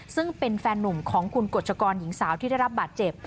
ซึ่งเป็นแฟนหนุ่มของคุณกฎชกรหญิงสาวที่ได้รับบาดเจ็บ